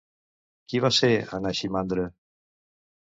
Qui va ser Anaximandre?